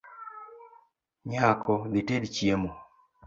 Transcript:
Nyako, dhited chiemo